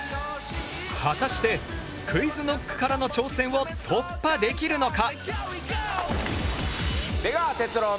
果たしてＱｕｉｚＫｎｏｃｋからの挑戦を突破できるのか！？